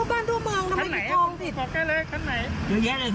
ปิดทองผิด